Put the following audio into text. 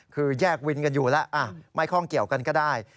คือแยกวินกันอยู่แล้วไม่ข้องเกี่ยวกันก็ได้